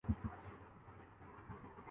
malaria کے اسباب